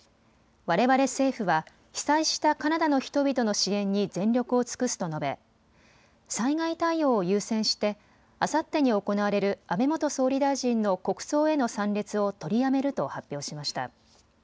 われわれ政府は被災したカナダの人々の支援に全力を尽くすと述べ、災害対応を優先してあさってに行われる安倍元総理大臣の国葬への参列を取りやめると発表しました。